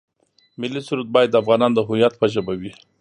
ملي سرود باید د افغانانو د هویت په ژبه وي.